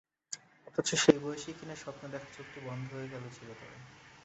অথচ সেই বয়সেই কিনা স্বপ্ন দেখা চোখটি বন্ধ হয়ে গেল চিরতরে।